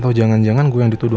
atau jangan jangan gue yang dituduh